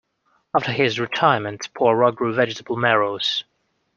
After his retirement, Poirot grew vegetable marrows.